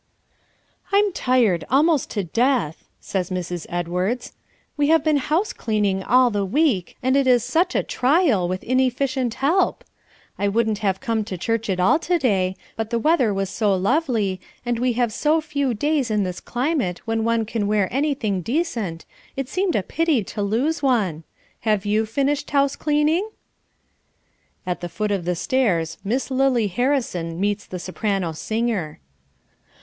"I'm tired almost to death," says Mrs. Edwards, "We have been house cleaning all the week, and it is such a trial, with inefficient help. I wouldn't have come to church at all to day but the weather was so lovely, and we have so few days in this climate when one can wear anything decent it seemed a pity to lose one. Have you finished house cleaning?" At the foot of the stairs Miss Lily Harrison meets the soprano singer.